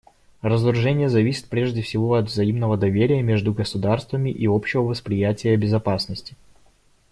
Разоружение зависит прежде всего от взаимного доверия между государствами и общего восприятия безопасности.